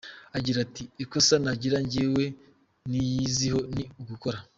Agira ati “Ikosa nagira njyewe niyiziho ni ugukora.